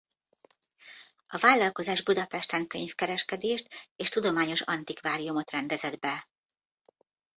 A vállalkozás Budapesten könyvkereskedést és tudományos antikváriumot rendezett be.